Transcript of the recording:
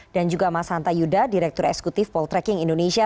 dan juga mas hanta yuda direktur eksekutif poltreking indonesia